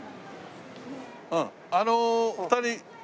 あの２人。